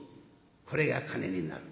これが金になる」。